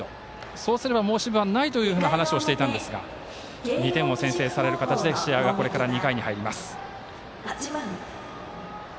そうすれば、申し分ないという話をしていたんですが２点を先制される形で試合はこれから２回に入ります。